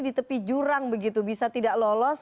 di tepi jurang begitu bisa tidak lolos